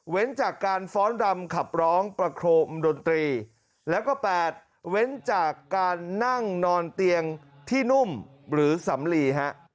จากการฟ้อนรำขับร้องประโครมดนตรีแล้วก็๘เว้นจากการนั่งนอนเตียงที่นุ่มหรือสำลีฮะ